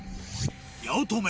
八乙女